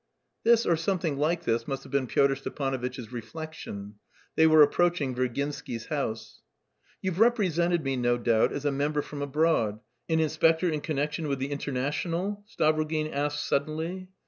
This or something like this must have been Pyotr Stepanovitch's reflection. They were approaching Virginsky's house. "You've represented me, no doubt, as a member from abroad, an inspector in connection with the Internationale?" Stavrogin asked suddenly.